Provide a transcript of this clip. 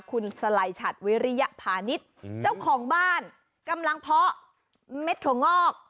คุณสไลชัดวิริยพาณิชย์เจ้าของบ้านกำลังเพาะเม็ดถั่วงอก